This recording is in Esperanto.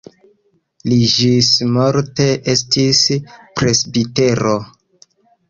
Li ĝismorte estis presbitero.